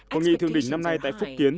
hội nghị thượng đỉnh năm nay tại phúc kiến